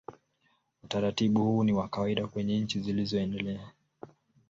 Utaratibu huu ni wa kawaida kwenye nchi zilizoendelea.